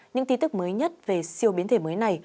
những tin tức mới nhất về siêu biến thể mới này